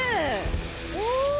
お！